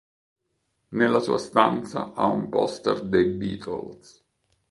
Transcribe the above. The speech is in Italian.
Nella sua stanza ha un poster dei "Beatles".